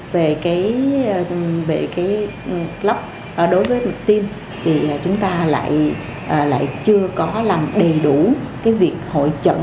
bệnh lý floc đối với mực tim thì chúng ta lại chưa có làm đầy đủ cái việc hội trận